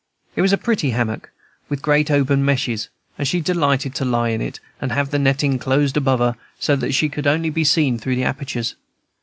It was a pretty hammock, with great open meshes; and she delighted to lie in it, and have the netting closed above her, so that she could only be seen through the apertures.